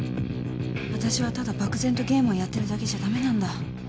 わたしはただ漠然とゲームをやってるだけじゃ駄目なんだ。